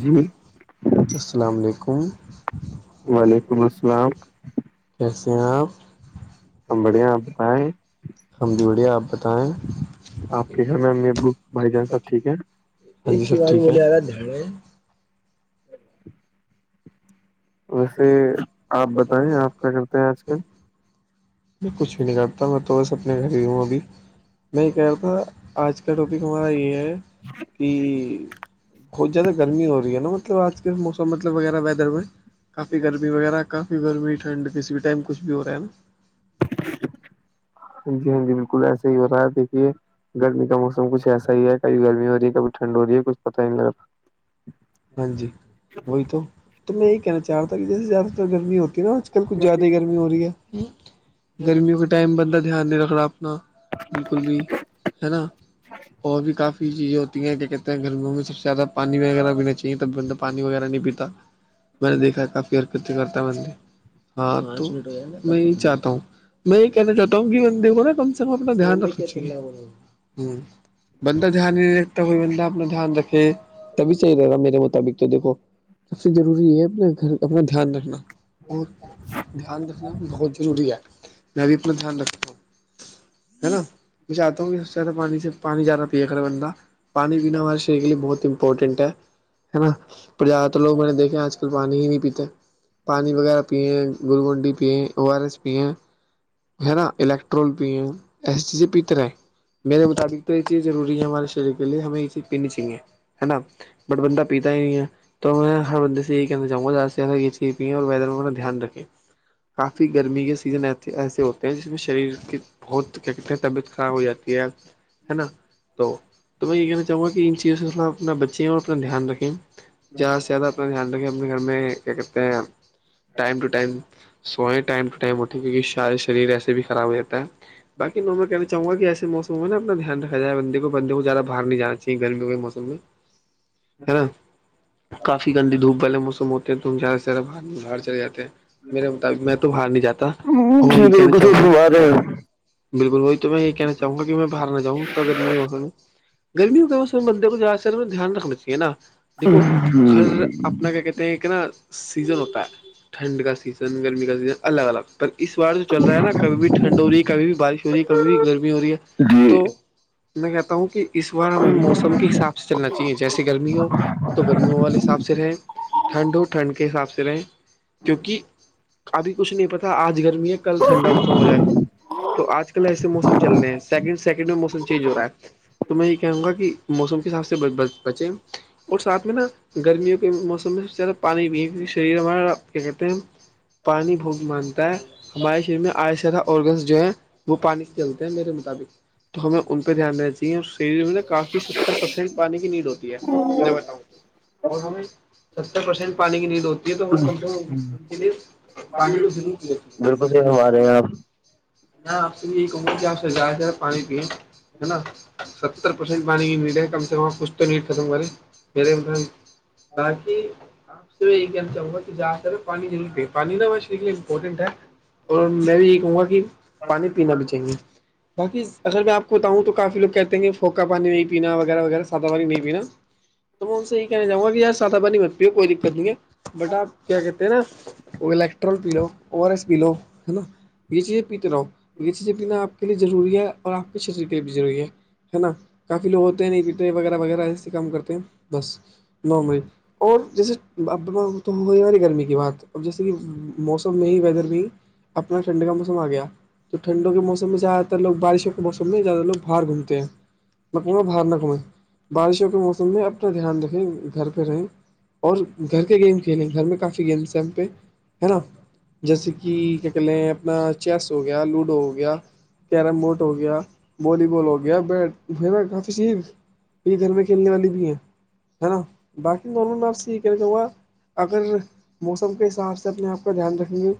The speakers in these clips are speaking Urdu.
جی السلام علیکم وعلیکم السلام کیسے آ ہم بڑیا بڑھیا آپ بتائیں ہم دیی بڑھیا آپ بتائیں آپ کے گھر میں ابو بھائی جان سب ٹھیک ہیں ایک بول گا ہے ویسے آپ بتائیں آپ کیا کرتے ہیں آج کل میں کچھ بھی نہیں کرتا میں تو بس اپنے گھر ہی ہوں ابھی میں یہ کہہ رہا تھا آج کا ٹاپک ہمارا یہ ہے کہ بہت زیادہ گرمی ہو رہی ہے نا مطلب آج کے موسم مطلب وغیرہ ویدر میں کافی گرمی وغیرہ کافی گرمی ٹھڈ کسی بھی ٹائم کچھ بھی ہو رہا ہے نا جی ہاں جی بالکل ایسا ہی ہو رہا ہے دیکھیے گرمی کا موسم کچھ ایسا ہی ہے کب گرمی ہو رہی ہے کبھی ٹھڈ ہو رہی ہےچھ پتہ نہیں لگ رہا ہاں جی وہی تو میں یہی کہنا چاہ رہتا تھا کہ جیسے زیادہ تر گرمی ہوتی ہے نا آج کل کچھ زیادہ گرمی ہو رہی ہے گرمیوں کے ٹائم بندہ دھیان نہیں رکھ رہا آپ انا بالکل بھی ہے نا اور بھی کافی چیزیں تی کیا کہتے ہیں گھرموں میں سب سے زیادہ پانی وغیرہ پینا چاہیے تب بندہ پانی وغیرہ نہیں پیتا میں نے دیکھا ہے کافی ہرکت کرتا بند ہاں تو میں یہی چاہتا ہوں میں یہ کہنا چاہتا ہوں کہ میں دا کم سے کم اپنا دھیان رکھ ہوں بند دان رتا ہوئی بندا اپنا دھیان رکھے تبھی صحیح رہے گا میرے مطابق تو دیکھو سب سے ضروری یہ ہے اپ گھر اپنا دھیان رکھنا اور جی دھیان رکھنا بہت ضروری ہے میں بھی اپنا دھیان رکھ دا ہے نا میں چاہتا ہوں اس زیادہ پانی سے پانی زیادہ پییا کرا بند پانی پینا ہمارے شریر کے لیے بہت امپورٹینٹ ہے ہے نا پر زیادہر لوگ میں نے دیکھے آج کل پانی ہی نہیں پیتے پانی وغیرہ پئیں گلگنڈی پئیں او آر ایس پئیں ہے نا الیکٹرول پیے ایے چیز سے پیتے رہے ہیں میرے مطابق تو یہ چیز ضروری ہے ہمارے شریر کے لیے ہمیں یہ چیز پیننی چاہیے ہے نا بٹ بندہ پیتا ہی نہیں ہے تو میں ہر بندے سے یہ کہ چں گا یہ چزی وا دھیان رکھے کافی گرمی کے سیزن ایسے ہوتے ہیں جس میں شریر کے بہت کیا کہتے ہیں طبیعت خراب ہو جاتی ہے ہے نا تو میں یہ کہنا چاہوں گا کہ ان چیزوں کےوڑ اپنا بچیں اور اپنا دھیان رکھیں زیادہ سے زیادہ اپنا دھیان رکھیں اپنے گھر میں کیا کہتے ہیں ٹائم ٹو ٹائم سوئےیں ٹائم ٹو ٹائم ہوتی ہیں کیونکہ سارے شریر ایسے بھی خراب رہتا ہے بای نو میں کہ چاہوں گا کہ ایسے موسم میں اپنا دھیان رکھاائے بندے کو بندے کو زیاد بر نہیں جانیں گرمیوں کے موسم میں ہے نا کافی گندی دھوپ والے موسم ہوتے ہیں تو ہم زیادہ سے سدے باہر میں باہر چلے جاتے ہیں میرے مطابق میں تو باہر نہیں جاتا اور میں یہی کہنا چاہوں گا بالکل وہی تو میں یہی کہنا چاہوں گا کہ میں باہر نہ جاںگررمی گرمیوں کے موسم میں بندر کو جا سر دھیان رکھنااہے نا دیکھو ہر اپنا کیا کہتے ہیں کہ نا سیزن ہوتا ہے ٹھنڈ کا سیزن گرمی کا سیزن الگ الگ پر اس بار جو چل رہا ہے نا کبھی بھی ٹھنڈ ہو رہی ہے کبھی بھی بارش ہو رہی ہے کبھی بھی گرمی ہو رہی ہے جی تو میں کہتا ہوں کہ اس بار ہمیں موسم کے حساب سے چلنا چاہیے جیسے گرمی ہو تو گرمیوں والے حساب سے رہیں ٹھنڈ ہو ٹھنڈ کے حساب سے رہیں کیونکہ ابھی کچھ نہیں پتا آج گرمی ہے کل ٹھنڈا موسم ہو جائے تو آج کل ایسے موسم چل رہے ہیں سیکنڈ سیکنڈ میں موسم چینج ہو رہا ہے تو میں یہ کہوں گا کہ موسم کے حساب سے بچیں اور ساتھ میں نا گرمیوں کے موسم میں سب سے زیادہ پانی پینے شریر ہمارا کیا کہتے ہیں پانی بھہت مانتا ہے ہمارے شریر میں آس سےیادہ آرگنس جو ہیں وہ پانی کی جرت ہے میرے مطابق تو ہمیں ان پہ دھیان رہ چاہ شریر میں نب کافی ستر پرسینٹ پانی کی نیڈ ہوتی ہے میں بتاؤں اور ہمیں ستر پرسینٹ پانی کی نیند ہوتی ہے تو کم سے کے لیے پانی کو ضرور کیا آپ سے یہی کہوں گی کہ آپ سے جا پانی پیین ہے نا ستر پرسینٹ پانی کی نیٹ ہے کم سے کم کچھ تو نیٹ ختم کری پیرم باقی آپ سے یہی کہنا چاہوں گا کہ زدہ تر پانی ضرور پی پانی نا امپورٹینٹ ہے اور میں بھی یہی کہوں گا کہ پانی پینا بھی چاہیے باقی اگر میں آپ کو بتاؤں تو کافی لوگ کہتے ہیں کہ پھوکا پانی نہیں پینا وغیرہ وغیرہ سادہ پانی نہیں پینا تو میں ان سے یہی کہ چاہوں گا کہ یار سات بانی ہی مت پی ہو کوئی دقت نہیں ہے بٹ آپ کیا کہتے نا الیکٹرال پی لو او آر ایس پی لو ہے نا یہ چیزیں پیتے رہاووں یہ چیزیں پینا آپ کے لیے ضروری ہے اور آپ کے شریر کے لیے بھی ضروری ہے ہے نا کافی لوگ ہوتے ہیں نہیں پیٹے وغیرہ وغیرہ ایسے کام کرتے ہیں بس نو مری اور جیسے ا تو ہوئی ہماری گرمی کی بات اور جیسے کہ موسٹ میں ہی ویدر میں اپنا ٹھنڈ کا موسم آ گیا تو ٹھنڈوں کے موسم میں زیادہ تر لوگ بارشوں موسم میں زیادہ لوگ باہر گھومتے ہیں مکو میں باہر نہ گھومیں بارشوں کے موسم میں اب دھیان رکھیں گھر پہ رہیں اور گھر کے گیم کھیلیں گھر میں کافی گیمس ہیں ہم پہ ہے نا جیسے کہ کیا کہ لیں ہیں اپنا چیس ہو گیا لوڈو ہو گیا کیرم بورڈ ہو گیا والی بال ہو گیا بیٹ ہے نا کافی سی یہ گھر میں کھیلنے والی بھی ہیں ہے نا باقی دونوں میں آپ سے یہ کہ کہوں گا اگر موسم کے حساب سے اپنے آپ کا دھیان رکھیں گے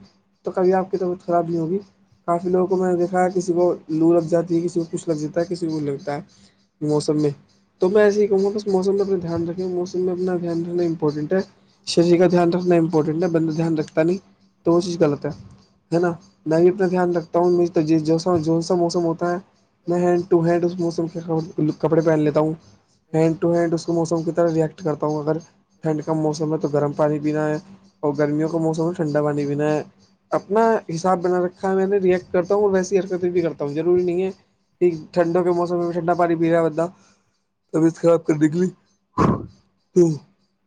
تو کبھی آپ کی طبیعت خراب نہیں ہوگی کافی لوگوں کو میں نے دیکھا کسی کو لو لگ جاتی ہے کسی کو کچھ لگ جاتا ہے کسی کو لگتا ہے موسم میں تو میں ایسے ہی کہوں گا بس موسم میں اپنا دھیان رکھیں موسم میں اپنا دھیان رکھنا امپورٹینٹ ہے شریر کا دھیان رکھنا امپورٹنٹ ہے بندہ دھیان رکھتا نہیں تو وہ چیز غلط ہے ہے نا میں بھی اپنا دھیان رکھتا ہوں ما جو سا موسم ہوتا ہے میں ہینڈ ٹو ہینڈ اس موسم کے کپڑے پہن لیتا ہوں ہینڈ ٹو ہینڈ اس تو موسم کی طرح ریئیکٹ کرتا ہوں اگر ٹھنڈ کا موسم ہے تو گرم پانی پینا ہے اور گرمیوں کا موسم میں ٹھنڈا پانی پینا ہے اپنا حساب بنا رکھا ہے میں نے رییکٹ کرتا ہوں اور ویسی حرکتیں بھی کرتا ہوں ضروری نہیں ہے ٹھنڈوں کے موسم میں بھی ٹھنڈا پانی پی رہا ہے بندہ طبیعت خراب کرنے کے لی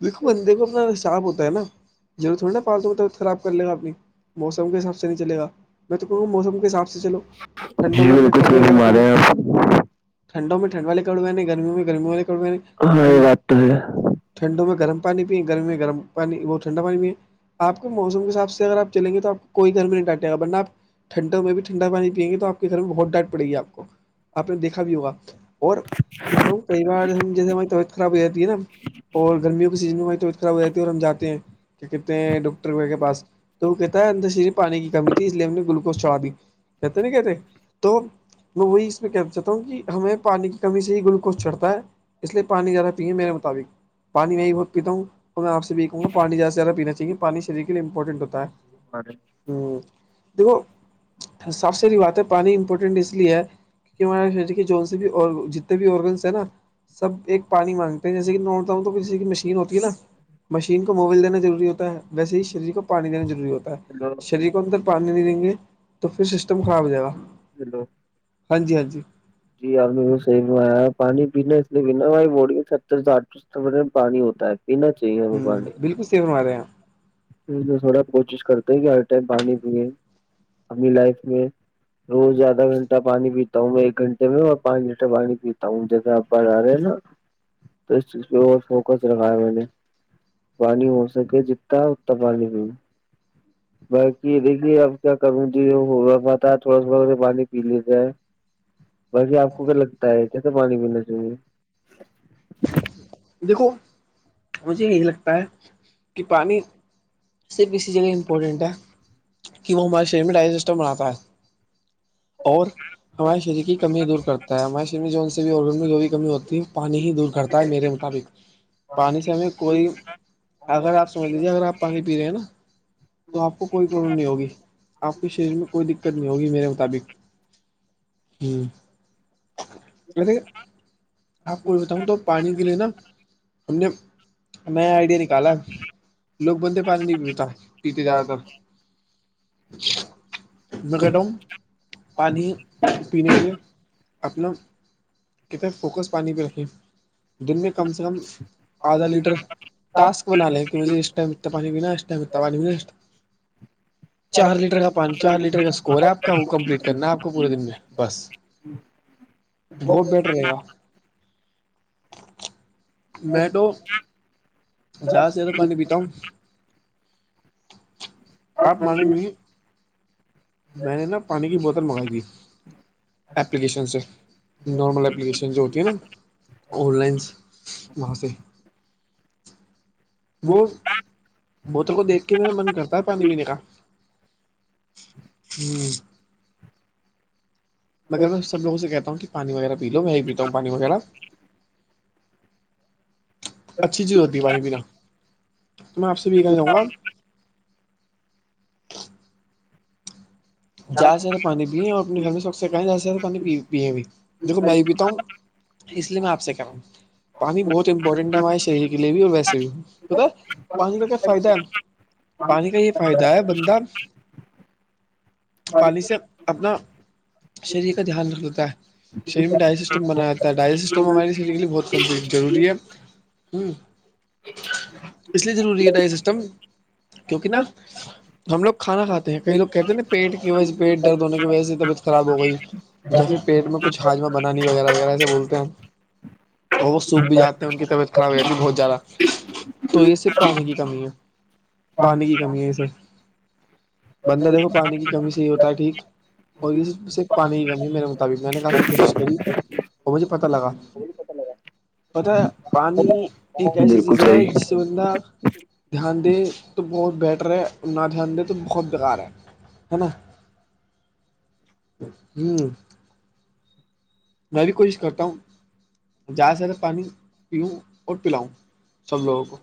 دیکھو بندے کو اپنا رساب ہوتا ہے نا ضور تھوڑ ن پال د گا تو خراب کر لے گا اپنی موسم کے حساب سے نہیں چلے گا میں تو کہوں گا موسم کے حساب سے چلو ٹھنڈوں جی میں بالکل سم رہے ہیں آپ ٹھڈوں میں ٹھڈ والے کڑوئے ہیں گرمی میں گمی والے کڑوے ہیں ہاں یہ بات تو ہے ٹھنڈوں میں گرم پانی پییں گرم میں گم پانی بہت ٹھنڈا پانی پئیں آپ کو موسم کے حساب سے اگر آپ چلیں گے تو آ کوئی گھر میں نہیں ڈٹے گا ورنہپ ٹنڈوں میں بھی ٹھڈا پانی پئیں گ توپ گ سر میں بہ ڈر پے گی آپ کو آپ نے دیکھا بھی ہوگا اور میں بتاؤ کئی بار ہم جیسے ہمارے طبیعت خراب ہو جاتی ہے نا اور گرمیوں کے سیزن میں ہم طبیت خراب ہو جاتی ہے اور ہم جاتے ہیں کیا کہتے ہیں ڈاکٹر کے پاس تو وہ کہتا ہے اندر سےرف پانی کی کمی تھی اس لیے ہم نے گلوکوز چڑھا دی کہتے ن کہتے تو میں وہی اس پہ کہنا چاہتا ہوں کہ ہمیں پانی کی کمی سے ہی گلوکوز چڑھتا ہے اس لیے پانی زیادہ پیے میرے مطابق پانی وہ بہت پیتا ہوں تو میں آ سے بھی یہ کہوں گا پانی زیادہ سے زیادہ پینا چاہیے پانی شر کےے امپورٹنٹ ہوتا ہے اے ہ دیکھو ساف سری بات ہے پانی امپورٹینٹ اس لیے ہے کہ ہمارے شریر کے جون سے بھی آ جتنے بھی آرگنس ہیں نا سب ایک پانی مانگتے ہیں جیسے کہ نوڑتا تو ج کی مشین ہوتی ہے نا مشین کو مول دینا ضروری ہوتا ہے ویسے ہی شریر کو پانی دینا ضروری ہوتا ہے شریر کو اندر پانی نہیں دیں گے تو پھر سسٹم خراب ہو جائے گا ہیلو ہاں جی ہاں جی جیار میر کو صیح میں آایا ہے پانی پینا اس لیے بناا وہائی بوڑیترٹھ ے میں پانی ہوتا ہے پینا چاہیے ہمیں پانی بالکلیف بو رہے ہیںپ تھوڑا کوشش کرتے ہیں کہ ہر ٹائم پانی پیں اپنی لائف میں روز آدھا گھنٹہ پانی پیتا ہوں میں ایک گھنٹے میں اور پانچ لییٹر پانی پیتا ہوں جیسے آپ پڑھا رہے ہیں نا تو اس چیز پہ اور فوکس رکھا ہے میں نے پانی ہو سکے جتتا اتنا پانی بھی [inaudible] باقی دیکھیے اب کیا کروں ج ہو رہا پتا ہے تھوڑا س بہت پانی پی لیتا ہے [inaudible] باق آپ کو کیا لگتا ہے کیسے پانی پینا چاہیے دیکھو مجھے یہی لگتا ہے کہ پانی صرف اسی جگہ امپورٹنٹ ہے کہ وہ ہمارے شریر میں ڈائجسسٹم بناتا ہے اور ہمارے شریر کی کمی دور کرتا ہے ہمارے شریر میں جون سے بھی آرگن میں جو بھی کمی ہوتی ہے وہ پانی ہی دور کرتا ہے مطابق پانی سے ہمیں کوئی اگر آ سمجھجیے اگر آپ پانی پی رہے ہیں نا تو آپ کو کوئی پرابلم نہیں ہوگ آپ کے شریر میں کوئی دقت نہیں ہوگی مے ب [inaudible] آپ کوئی بتاؤں تو پانی کے لیے نا ہم نے نیا آئیڈیا نکالا لوگ بندے پانی نہیں بییتا پیتے جیا رہا تھا مق دوں پانی پینے کے اپنا کتاب فوکس پانی پہ رکھیں دن میں کم سے کم آدھا لیٹر اسک بنا لیں کہ مجھے اس ٹائم پانینااسٹائ میں پانی چار لیٹر کا پان چار لیٹر کا اسکور ہے آپ کا وہ کمپلیٹ کرنا ہے آپ کو پورے دن میں بس بہت بیٹر رہے گا میں تو زیادہ سے زیادہ پانی پیتا ہوں آپ مان گے میں نے نا پانی کی بوتل منگائی تھی اپپلیکیشن سے نارمل اپلیکیشن جو ہوتی ہے نا آن لائنس وہاں سے [inaudible] وہ بوتل کو دیکھ کے میرا من کرتا ہے پانی پینے کا ہوں مگر میں سب لوگوں سے کہتا ہوں کہ پانی وغیرہ پی لو میں ہی پیتا ہوں پانی وغیرہ اچھی چیز ہوتی ہے پانی پینا تو میں آپ سے بھی کہا جاؤں گا زیادہ سے زیادہ پانی پییں اور اپنے گھر میں سق سے کہیں زیادہ زیادہ پانی پیئے بھی دیکو میں ہی پیتا ہوں اس لیے میں آ سے کہ رہ ہوں پانی بہت امپورٹنٹ ہے ہمارے شریر کے لیے بھی اور ویسے بھی بت پانی کیا فائدہ ہے پانی کا یہ فائدہ ہے بندہ پانی سے اپنا شریر کا دھیان رکھ لیتا ہے شریر میں ڈائ سسٹم بنایا جا ہے ڈائ سسٹم ہمارے شریر کے لیے بہت کم ضروری ہے ہوں اس ضروری ہے ڈائی سسٹم کیونکہ نا ہم لوگ کھانا کھاتے ہیں کئی لوگ کہتے ہیں نا پیٹ کی وجہ سے پیٹ درد ہونے کی وجہ سے طبیعت خراب ہو گئی یا پھر پیٹ میں کچھ ہاجہ بنانی وغیرہ وغیرہ ایس سے بولتے ہیں اور وہ سوکھ بھی جاتے ہیں ان کی طبیعت خراب ہے بھی بہت زیادہ تو یہ صرف پانی کی کمی ہے پانی کی کمی ہے اسے بندہ دیکھو پانی کی کمی سےی ہوتا ہے ٹھیک اور یہ سے پانی کی کمی میرے مطابق میں نے کافی کوشش کری اور مجھے پت لگا پتا ہے پانی ایک ایسی چیز ہے جس بندہ دھیان دے تو بہت بیٹر ہے اور نہ دھیان دے تو بہت بیکار ہے [inaudible] میں بھی کوشش کرتا ہوں زیادہ زیادہ پانی پیوں اور پلاؤں سب لوگوں کو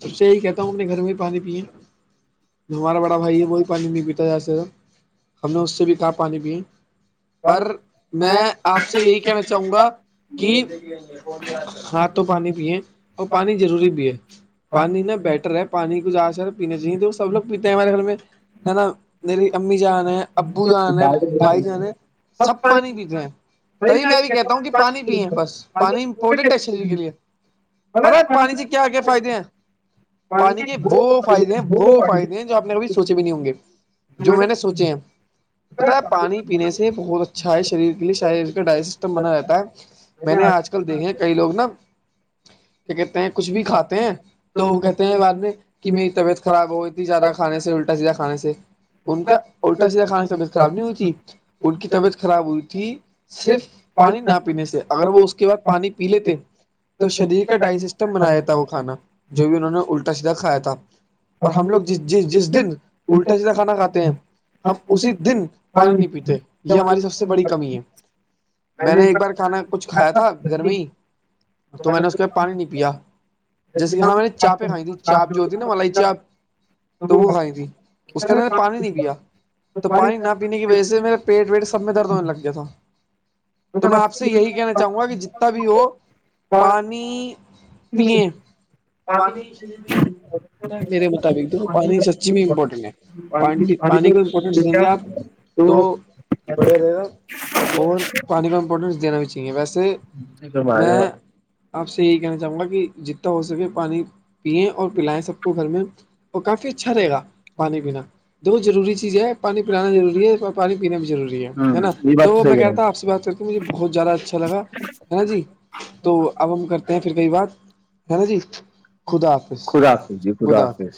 سب سے یہی کہتا ہوں اپنے گھر میں ہی پانی پے جو ہمارا بڑا بھائی ہے وہ بھی پانی نہیں پیتا ہے جیسے ہم نے اس سے بھی کہا پانی پ پر میں آپ سے یہی کہنا چاہوں گا کہ ہاں تو پانی پیے اور پانی ضروری بھی ہے پانی نا بیٹر ہے پانی کو جا سر پیا چاہیے تو وہ سب لوگ پیتے ہیں ہمارے گھر میں ہے نا میری امی جان ہے ابو جان ہے بھائی جان چاہیے ہے سب پانی پیتے ہیں تبھی میں بھی کہتا ہوں کہ پانی پیے بس بال پانی امپورٹنٹ ہے شریر کے لیے پتا ہے پ پانی چ کیا کیا فائد ہیں پانی کے وہ فائدے ہیں وہ فائدے ہیں جو آپ نے کبھی سوچے بھی نہیں ہوں گے جو میں نے سوچے ہیں پتایا پانی پینے سے بہت اچھا ہے شریر کے لیے شاعر ڈائ سسٹم بنا رہتا ہے میں نے آج کل دیکھے کئی لوگ نا کیا کہتے ہیں کچھ بھی کھاتے ہیں تو وہ کہتے ہیں بعد میں کہ میری طبیعت خراب ہو گئی تھی زیادہ کھانے سے الٹا سیدھا کھانے سے ان کا الٹا سیدھا خان کی طبیعت خراب نہیں ہوئی تھی ان کی طبیعت خراب ہوئی تھی صرف پانی نہ پینے سے اگر وہ اس کے بعد پانی پی لیتے تو شریر کا ڈائی سسٹم بنایا تھا وہ کھانا جو بھی انہوں نے الٹا سیدھا کھایا تھا اور ہم لوگ جس جس دن الٹا سیدھا کھانا کھاتے ہیں ہم اسی دن پانی نہیں پیتے یہ ہماری سب سے بڑی کمی ہے میں نے ایک بار کھانا کچھ کھایا تھا گھر میں ہی تو میں نے اس کے پانی نہیں پیا جیسے کہ ہاں میں نے چا پیں کھائی تھی چاپ جو ہوتی نا ملائی چاپ تو وہ کھائی تھی اس کا ان نے پانی نہیں پیا تو پانی نہ پینے کی وجہ سے میرا پیٹ ویٹ سب میں درد ہونے لگ گیا تھا تو میں آپ سے یہی کہنا چاہوں گا کہ جتنا بھی ہو پانی پیے پانی میرے مطابق دیکھو پانی سچی میں امپورٹنٹ ہے پ پانی کا امپورٹنس دیں گے آپ تو بڑھیا رہے گا اور پانی کا امپورٹینس دینا بھی چاہیے ویسے میں ہمارے ہ آپ سے یہی کہنا چاہوں گا کہ جتنا ہو سکے پانی پئیں اور پلائیں سب کو گھر میں اور کافی اچھا رہے گا پانی پینا دو ضروری چیز ہے پانی پلانا ضروری ہے اور پانی پینا بھی ضوری ہے نا یہ بات تو صحیح میں کہہ رہے کہتا ہ آ ہیں سے بات کر کے مجھے بہت زیادہ اچھا لگا ہے نا جی تو اب ہم کرتے ہیں پھر کئی بات ہے نا جی خدا حافظ خدا حا حافظ جی خدا حافظ